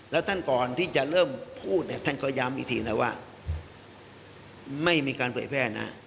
แล้วท่านก่อนที่จะเริ่มพูดเนี่ยท่านก็ย้ำอีกทีนะว่าไม่มีการเผยแพร่นะ